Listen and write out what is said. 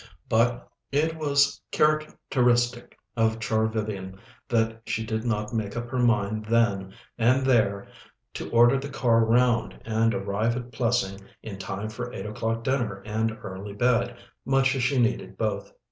But it was characteristic of Char Vivian that she did not make up her mind then and there to order the car round and arrive at Plessing in time for eight o'clock dinner and early bed, much as she needed both.